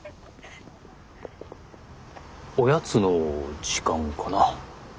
おやつの時間かな？